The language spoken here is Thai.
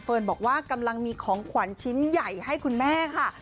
บอกว่ากำลังมีของขวัญชิ้นใหญ่ให้คุณแม่ค่ะ